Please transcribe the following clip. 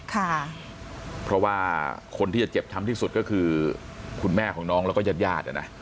ค่ะเพราะว่าคนที่จะเจ็บช้ำที่สุดก็คือคุณแม่ของน้องแล้วก็ญาติญาติอ่ะนะ